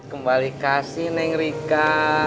kembali kasih neng rika